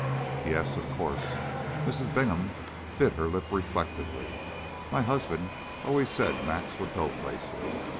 "Yes, of course." Mrs. Bingham bit her lip reflectively. "My husband always said Max would go places.